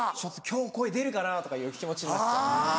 今日声出るかなとかいう気持ちになっちゃう。